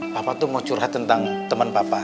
papa tuh mau curhat tentang temen papa